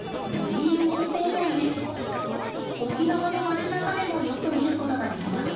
沖縄の街なかでもよく見ることができます。